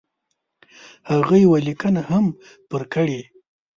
هغه یوه لیکنه هم پر کړې.